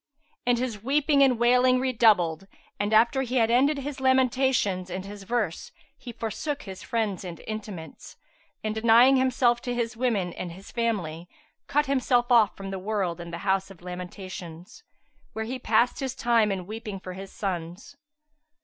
And his weeping and wailing redoubled; and, after he had ended his lamentations and his verse, he forsook his friends and intimates, and denying himself to his women and his family, cut himself off from the world in the House of Lamentations, where he passed his time in weeping for his sons.